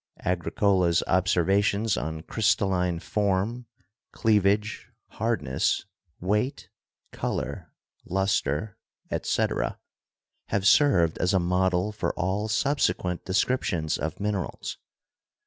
Agricola's observations on crystalline form, cleavage, hardness, weight, color, luster, etc., have served as a model for all subsequent descriptions of min erals.